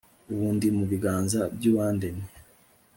ubu ndi mu biganza by'uwandemye